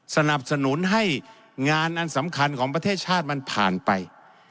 สนับสนุนให้งานอันสำคัญของประเทศชาติมันผ่านไป